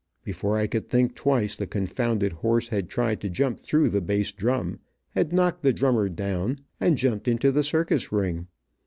Before I could think twice, the confounded horse had tried to jump through the bass drum, had knocked the drummer down, and jumped into the circus ring.